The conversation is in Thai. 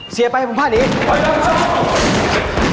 เสียไปผมพาหนี